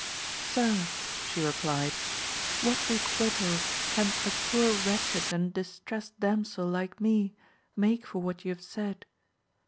. Sir, she replied, what requital can a poor wretched and distressed dam sel like me make for what you have said